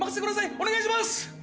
お願いします！